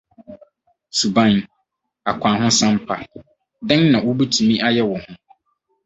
Suban: Akwahosan Pa — Dɛn na Wubetumi Ayɛ Wɔ Ho?